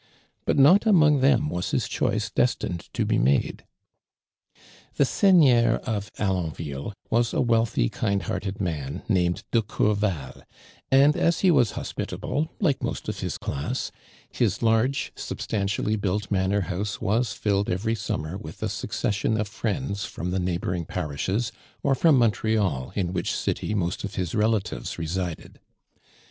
But not among them was his choice destined to be made. The seigneur of Alonville was a wealthy, kind hearted man, named de Courval, and as he was hos2)itable, like most of his class, his large substantially built manor house was filled every summer with a succession of friends from the neighboring parishes, or from Montreal, in which city most of his re latives resided